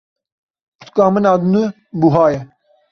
Pirtûka min a nû buha ye.